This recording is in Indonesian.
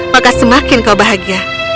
maka semakin kau bahagia